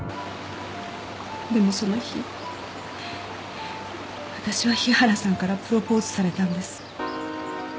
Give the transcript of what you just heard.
でもその日私は日原さんからプロポーズされたんです。